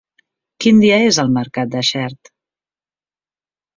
Quin dia és el mercat de Xert?